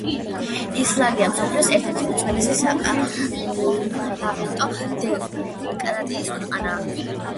ისლანდია მსოფლიოს ერთ-ერთი უძველესი საპარლამენტო დემოკრატიის ქვეყანაა.